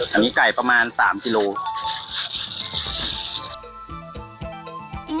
อันนี้ไก่ประมาณ๓กิโลกรัม